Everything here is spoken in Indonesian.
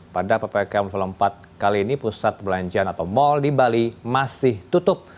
pada ppkm level empat kali ini pusat perbelanjaan atau mal di bali masih tutup